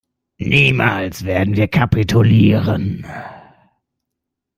Niemals werden wir kapitulieren!